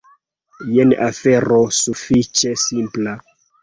Jen afero sufiĉe simpla.